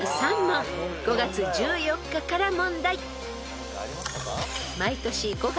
［５月１４日から問題］